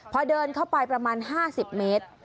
พอเดินเข้าไปประมาณ๕๐เมตร